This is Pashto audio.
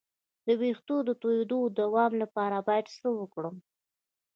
د ویښتو د تویدو د دوام لپاره باید څه وکړم؟